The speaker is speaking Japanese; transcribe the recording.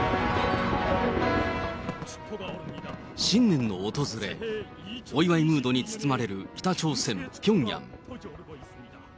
新年の訪れ、お祝いムードに包まれる北朝鮮・ピョンヤン。